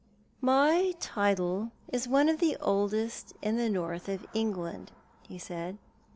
" My title is one of the oldest in the North of England," he said.